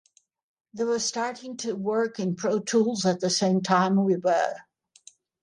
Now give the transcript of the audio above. They were starting to work in Protools at the same time we were.